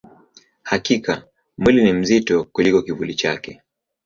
Hakika, mwili ni mzito kuliko kivuli chake.